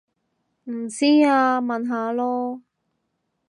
唔知啊問下囉